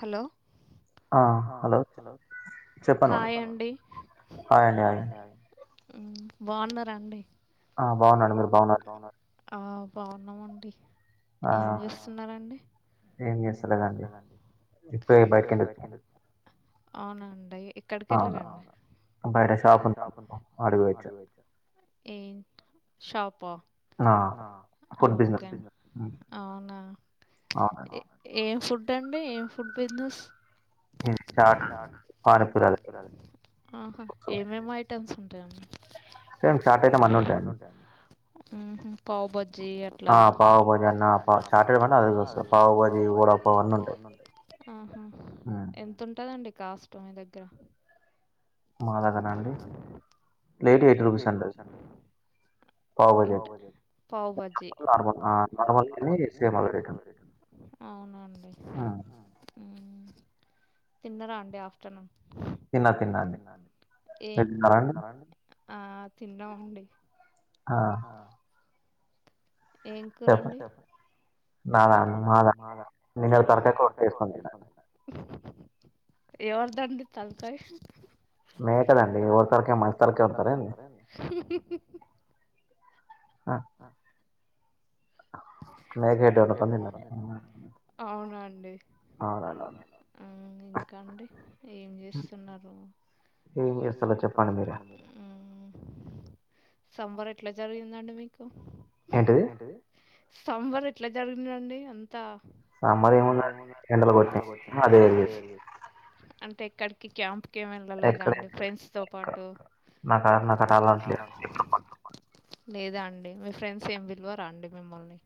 Hello hi అండి బావున్నారా అండి ఆ బాగున్నాను మీరు బాగున్నారా ఆ బావున్నామండి ఏం చేస్తున్నారండి ఏం లేదండి ఇప్పుడే బయటికి వెళ్లి వచ్చా ఎక్కడికి వెళ్లారండి ఏ షాపా అ ఓకే అవునా ఎ ఏం ఫుడ్ అండి ఏం ఫుడ్ బిజినెస్ ఆహా ఏమేం ఐటమ్స్ ఉంటాయండి ఉహు పావ్ భాజీ ఆ పావ్ భాజీ అన్నన్నా చార్టెడ్ అది వస్తది పావు బాజీ ఓడ అన్న ఆహా ఎంతుంటదండి కాస్ట్ మీ దేగ్గర మా దేగ్గరనా అండి ప్లేట్ ఎయిటి రూపీస్ అండి పావ్ బాజీ అవునా అండి తిన్నరా అండి ఆఫ్ తిన్నా తిన్నా అండి మీరు తిన్నారా అండి ఆ తిన్నామండి ఆ ఆ ఏం కూర అండి నాదా మాదా నిన్న తలకాయ కూర ఉంటే వెస్కొని తిన్న ఎవర్ దండి తలకయి మేక దండి ఎవరి తలకాయ మనిషి తలకై వస్తారా అండి [unintelligible] ఆ [unintelligible] అవునా అండి ఆ ఇంకా అండి ఏం చేస్తున్నారు ఏం చేస్తున్నారు చెప్పండి మీరే ఉమ్ సమ్మర్ ఎట్లా జరిగిందండి మీకు ఏంటిది సమ్మర్ ఎట్లా జరిగిందిండి అంతా అంటే ఎక్కడికి క్యాంప్ ప్ ఏమి వెళ్లలేదా అండి ఫ్రెండ్స్ తో పాటు లేదా అండి మీ ఫ్రెండ్స్ ఏం పిలవరా అండి మిమ్మల్ని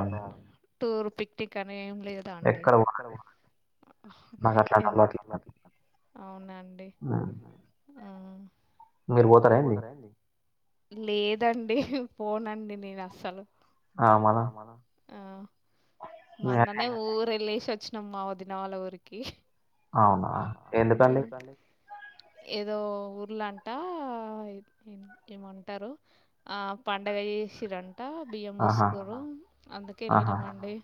ంటూర్ పిక్నిక్ అని ఏం లేదా అండి అవునా అండి మీరు బోతర అండి లేదండి పోనండి నేను అస్సలు మన్ననే ఊరు వెళ్ళసి వచ్చినం మ వదిన వాళ్ళ ఊరికి అవునా ఎందుకండీ ఏదో ఊర్లంటా ఆ ఏమంటారు ఆ పండుగ చేసిరం ట బియ్యం పోసుకోరు అందుకే వెళ్ళినమండి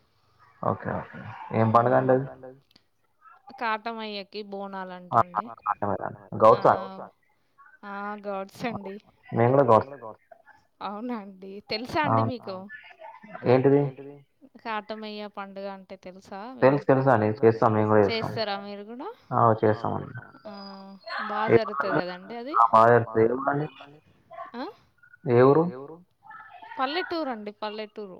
ఓకే అండి ఏం పండుగండి అది కాటమయ్యకి బోనాలు అంటాండి ఆ ఆ గౌడ్స్ అండి మేము కూడా గౌడ్స్ ఏ అవునండి తెలుసా అండి మీకు కాటమయ్య పండుగ అం అంటే తెలుసా వి తెల్సు తెల్సు అండి చేస్తారా మీరు కూడా ఆ చేస్తామండి ఆ బాగా జరుగుతది కదండి అది ఆ ఎ ఊరు పల్లెటూరు అండి పల్లెటూరు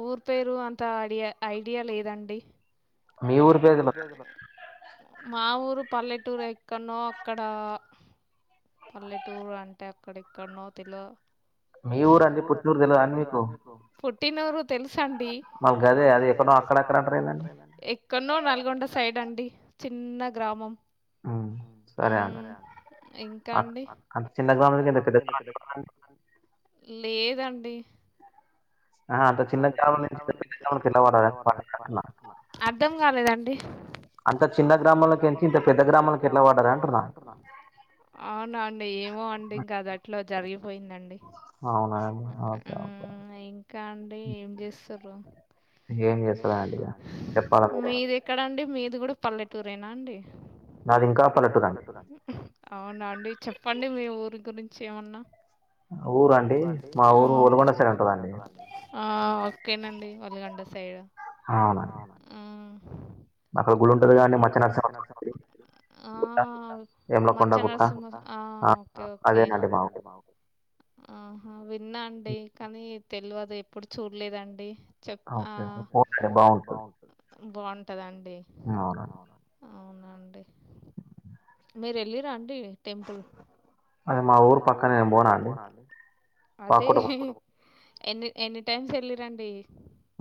ఊరు పేరు అంత ఐడియా ఐడియా లేదండి మా ఊరు పల్లెటూరు ఎక్కనో అక్కడ పల్లెటూరు అంటే అక్కడడెకడానో తెల్వ మీ ఊరు అండి పుట్టిన ఊరు తెల్వదా అండి మీకు పుట్టిన ఊరు తెలుసండి ఎ కన్నో నల్గొండ సైడ్ అండి చిన్న గ్రామం హుం సరే అండి ఇంకా అండి లేదండి ఆహా అంత చిన్న గ్రామం నుండి ఇంత పెద్ద గ్రామం లకు ఎట్ల పడ్డ రండి అర్ధం కాలేదండి అంత చిన్న గ్రామంలా కేంచి ఇంత పెద్ద గ్రామంలకు ఎట్లా పడ్డారు అంటున్నా అవున అండి ఏమో అండి ఇంక అదట్లో జరిగిపోయిందండి ఆ ఇంకా అండి ఏం చేస్తారు ఏమి చెప్పలేనండి మీది ఎక్కడ అండి మీది కూడా పల్లెటూరేనా అండి అవునా అండి చెప్పండి మీ ఊరి గురించి ఏమన్నా ఊరండి మా ఊరు ఒల్గొండ సైడ్ ఉంటదండి ఆ ఓకేనండి వల్గండ సైడు అవునండి అక్కడ గుళ్ళుంటది కాగా మచ్చ నర్సింహ మచ్చ నర్సింహా ఆ ఓకే ఓకే ఆహా విన్నా అండి కానీ తెలువదు ఎప్పుడు చూడలేదండి ఆ బాగుంటదండి అవునండి మీరు వెళ్ళిరా అండి టెంపుల్ మా ఊరు పక్క నే నేను పోనా అండి అదే ఎన్ని ఎన్ని టైమ్స్ వెళ్లి రండి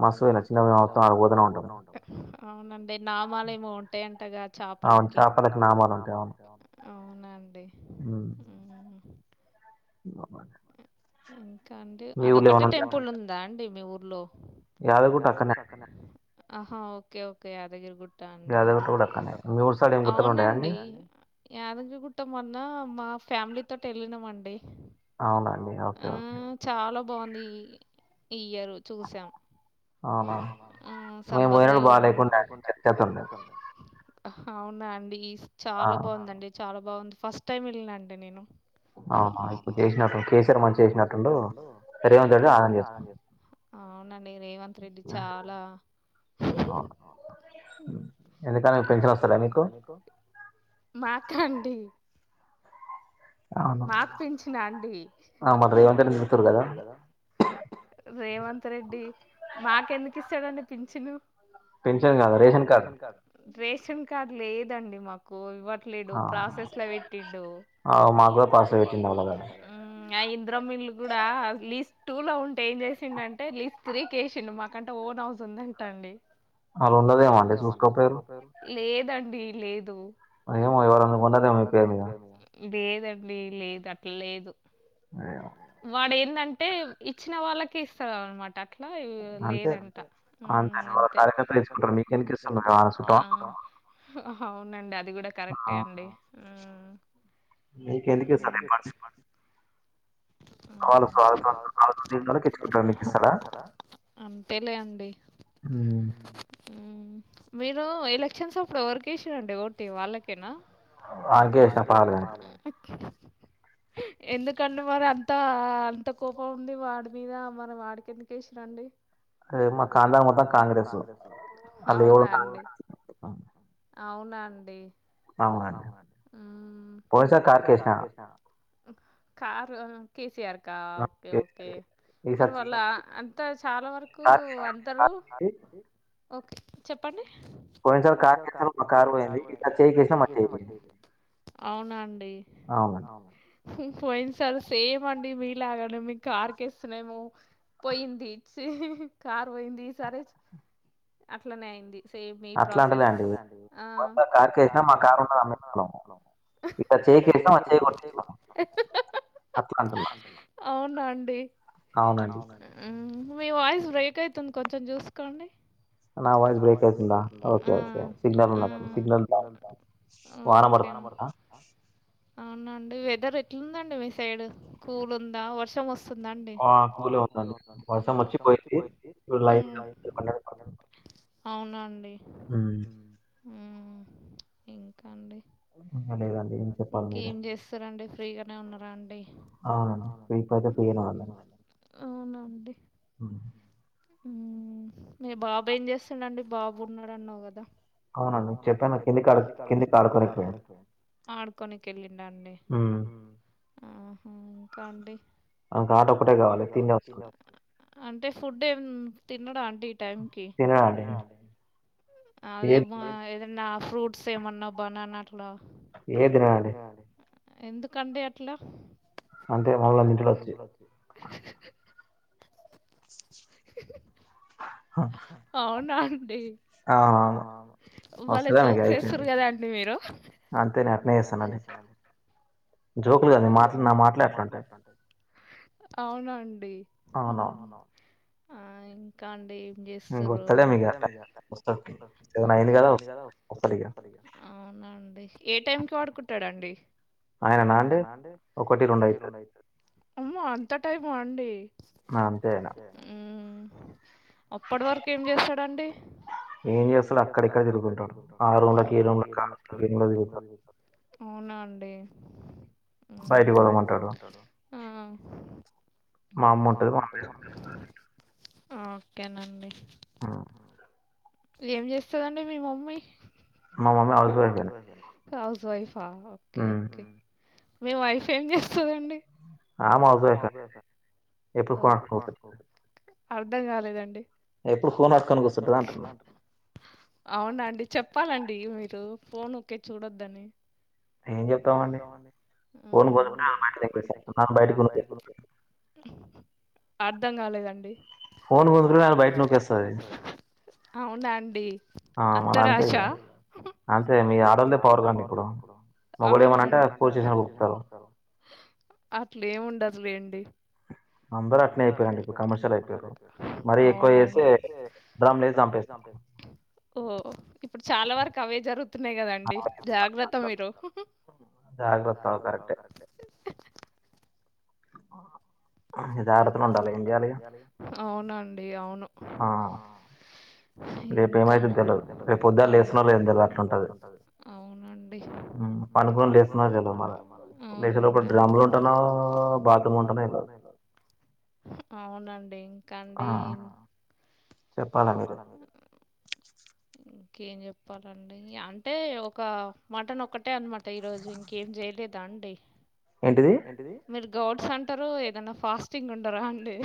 మాస్తు పోయిన చిన్నవి పోతనే ఉంటాము అవునండి నామాలు ఏమో ఉంటాయి అంటగా చేపలకి అవును చాపలకి నామాలు ఉంటాయి అవునండి ఉ ఇంగో ఇంకా అండి అదొక్కటే టెంపుల్ ఉందా అండి మీ ఊర్లో ఆహా ఓకే ఓకే యాదగిరి గుట్ అ అవునండి యాదగిరిగుట్ట మొన్న మా ఫ్యామిలీతోటి వెళ్ళినాం అండి. ఆ చాలా బాగుంది, ఈ ఇయర్ చూసాము. సంబర్ లో వెళ్ళినం అవునా అండి, చాలా బాగుందండి చాలా బాగుంది ఫస్ట్ టైం వెళ్ళినా అండి నేను. ఆహా ఇప్పుడు చేసినట్టు కేసీర్ మంచి చేసినట్టుండు అవునండి రేవంత్ రెడ్డి చాలా నెల నెలా పింఛను వస్తాదా మీకు? మాకా అండి, మాకు పించనా? ఆ మరి రేవంత్ రెడ్డిని తిడుతురు కదా రేవంత్ రెడ్డి మాకు ఎందుకు ఇస్తాడండి పింఛను? పెన్షన్ కాదు రేషన్ కార్డ్ రేషన్ కార్డు లేదండి మాక్ కు ఇవ్వట్లేడు ప్రాసెస్ ల పెట్టిండు. ఆ మాక్కూడా ప్రాసెస్ లో పెట్టిండు. ఆ ఇంద్రమిల్లు కూడా లిస్ట్ టూ లో ఉంటే ఏం చేసిండు అంటే లిస్ట్ త్రీ కేసిండు, మాకంట ఓన్ హౌస్ ఉందంటా అండి. మరి ఉండదేమో అండి చూసుకోపోయురు. లేదండి లేదు. ఏమో ఏవరన్నా కొన్నరేమో మీ పేరుమీద లేదండి, లేదు అట్లా లేదు. ఏమో వాడేందంటే ఇచ్చిన వాళ్ళకే ఇస్తారు అనమాట అట్లా లేదంట. ఉమ్ అంతే అవునండి, అది కూడా కరెక్టే అండి. మీకు ఎందుకు ఇస్తారు చెప్పండి. ఆ అంతేలేండి. ఉమ్ మీరు ఎలక్షన్స్ అప్పుడు ఎవరికి వేసిరండీ ఓటు, వాళ్ళకేనా? ఆళ్ళకే ఏసినా పాల్ గానికి ఎందుకండి మరి అంత అంత కోపం ఉంది వాడి మీద, మరి వాడికి ఎందుకు వేసిరండీ? అదే మా కాన్దాన్ మొత్తం కాంగ్రెస్, అవునాండి అవునాండి పోయినసారి కార్ కి వేసిన కార్ కేసీఆర్కా ఓకే ఓకే మరి వాళ్ళ అంత చాలావరకు అంతరు ఓకే చెప్పండి పోయినసారి కార్ కి వేసినా ఒక కారు పోయింది, ఇప్పుడు చేయికి వేసినా మా చేయి పోయింది. అవునాండి పోయినసారి సేమ్ అండి మీలాగానే మేము కారుకేసినాము. పోయింది ఛీ కారు పోయింది ఈసారి అట్లనే అయింది. సేమ్ మీ ప్రాసెస్ ఇట్టా చెయ్యికేసినం చెయ్యిపోయింది అవునా అండి మీ వాయిస్ బ్రేక్ అయితుంది, కొంచెం చూసుకోండి. నా వాయిస్ బ్రేక్ అవుతుంద ఒకే ఒకే సిగ్నల్ ఓకే అవునండి వెదర్ ఎట్లుందండి మీ సైడ్ కూల్ ఉందా వర్షం వస్తు సుందండి మా కూల్ గా ఉందండి వర్షం వచ్చి పోయింది ఉ అవున అండి ఊ ఉ ఇంకా అండి ఇంకేం చేస్ సరండి ఫ్రీగానే ఉన్నారా అండి? అవునాండి మీ తోటే ఫ్రీనేండి అవునాండి ఉ ఉ మీ బాబా ఏం చేస్తుండండి బాబు ఉన్నాడు అన్నావు కదా? అవునండి చెప్పాను కింది ఆడు కిందికి ఆడుకునేకి పోయింది. ఆడుకోనిక వెళ్ళిన అండి ఆహా ఇంకా అండి? ఆల్ తాత ఒకటే కావాలి తిండి అవసరం లేదు. అంటే ఫుడ్ ఏం తినడ అండి ఈ టైంకి తినడండి. అదే మా ఏదన్నా ఫ్రూట్స్ ఏమన్నా బాననా అట్లా ఏందిరా అనే ఎందుకండి అట్లా? అంటే మమళ ఇంటిలో వచ్చి హ అవునా అండి ఆ ఆ వాళ్ళ జోక్స్ ఎస్తారు కదా అండి మీరు అంతే నేను అట్నే చేస్తానండి జోకులు కద నీ మాటలు నా మాటలే అట్లుంటాయి. అవునండి ఆవును ఆ ఇంకా అండి ఏం చే స్తురు అదే మీ గంట వస్తారు ఏమైనా అయింది కదా ఒస్తడు ఇగ అవున అండి ఏ టైం కి పడుకుంటాడండి? ఆయన నాండే ఒకటి రెండు అయితాది. అమ్మ అంత టైం అండి అంతే మ్ అప్పటి వరకు ఏం చేస్తాడండి? ఏం చేస్తాడు అక్కడ ఇక్కడిగుతుంటాడు ఆరూమ్ లోకీ, ఈ రూమ్ కి తిరుగుతాడు. అవునా అండి బయటికి పోదాం అంటాడు ఆ మా అమ్మ ఉంటాడు మా ఓకేనండి ఆ ఏం చేస్తదండి మీ మమ్మీ? మా మమ్మీ హౌస్ వైఫ్ అనే హౌస్ వైఫా ఓకే ఓకే మీ వైఫ్ ఏం చేస్తదండి? ఆమ హౌస్ వైఫ్ అండి ఎప్పుడు పోన్ అట్టుకుని తిరుగుతాది. అర్ధం గాలేదండి? ఎప్పుడు ఫోన్ అట్టుకొని కూసుంటాది అంటన్నా. అవునాండి చెప్పాలండి మీరు ఫోన్ ఒకే చూడొద్దని ఎం చెత్తామండి మ్ ఫోన్ కొనుక్కొని ఆమె బయట స్కూల్ కి అర్ధం గాలేదండి? ఫోన్ కుందుకు ఆమె బయట నూకేస్తాది. అవునాండి అంతరేష హ్హ్ అంతే మీ ఆడోళ్ళదే పవర్గా ఇప్పుడు అవునండి మొగుడు ఏమన్న అంటే పోలీస్ స్టేషన్ లో కుసుంటారు. అట్లేఉండదులేండి అందరుూ అట్నే అయిపోయిండి ఇప్పుడు కమర్షియల్ అయిపోారుే బమ్సి [unintelligible] చంపారు ఓ ఇప్పుడు చాలా వరకు అవే జరుగుతున్నాయి కదండి జాగ్రత్త మీరు జాగ్రత్త కరెక్టే ఇగా జాగ్రతనే ఉండాలి ఇగ ఏంచేయాలి. ఇగ అవునండి అవును. ఆ ఇంకా [unintelligible] అవునండి [unintelligible] పనుకొని లేస్తున్నా కదా మన నేను ఒక గ్రామర్ ఉంటాన బాత్రూమ్ ఉంటానద [unintelligible] అవునండి కండి ఆ చెప్పాలాండి ఇంకేం చెప్పాలండి అంటే ఒక మటన్ ఒక్కటే అనమాట ఈరోజు ఇంకేం చేయలేదాండి ఏంటిది మీరు గౌడ్స్ అంటారు ఏదైనా ఫాస్టింగ్ ఉండరా అండి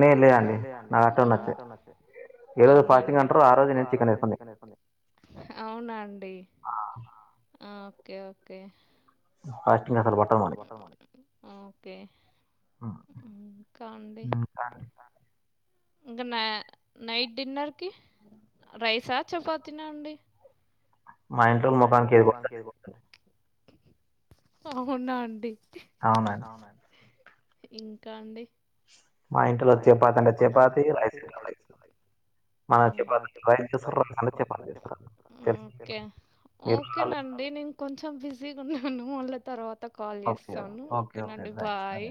లేదు లేదు లేదండి నాకు అట్టయి నచ్చయి పాసింగ్ అంట్రారు ఆోజ నను చికన్ ఇకుంది [unintelligible] అవునండి ఆ ఓకే ఓకే అ [unintelligible] [unintelligible] అ బట్టర్ మ ఓకే ఉం ఇంకా అండి ఇంకా న నైట్ డిన్నర్ కి రైసా చపాతిన అండి. మా ఇంటిలో మొకానికి [unintelligible] [unintelligible] అవునా అండి అవునండి అవునండి ఇంకా అండి మా ఇంట్లో చపాతి అంటే చపాతి రైస్ అంటే రైస్ [unintelligible] ఓకే నేను ఇంక కొంచెం బిజీగా ఉన్నాను మళ్ళ తర్వాత త కాల్ చేస్తాను ఓకేనండి బాయ్